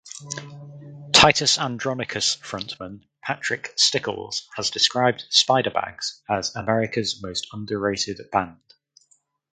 Titus Andronicus frontman Patrick Stickles has described Spider Bags as "America’s most underrated band".